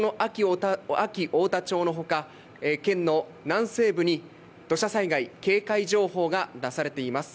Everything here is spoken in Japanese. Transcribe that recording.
安芸太田町のほか、県の南西部に土砂災害警戒情報が出されています。